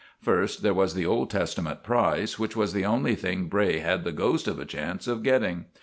First, there was the Old Testament prize, which was the only thing Bray had the ghost of a chance of getting.